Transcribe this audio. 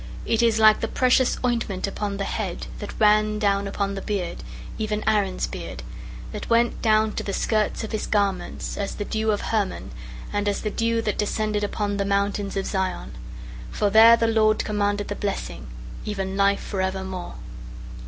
19:133:002 It is like the precious ointment upon the head, that ran down upon the beard, even Aaron's beard: that went down to the skirts of his garments; 19:133:003 As the dew of Hermon, and as the dew that descended upon the mountains of Zion: for there the LORD commanded the blessing, even life for evermore.